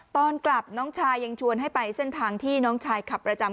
ตอนกลับน้องชายยังชวนให้ไปเส้นทางที่น้องชายขับประจำ